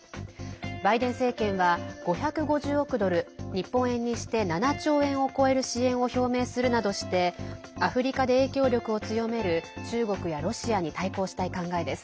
バイデン政権は、５５０億ドル日本円にして７兆円を超える支援を表明するなどしてアフリカで影響力を強める中国やロシアに対抗したい考えです。